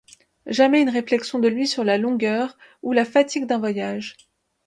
Jamais une réflexion de lui sur la longueur ou la fatigue d’un voyage.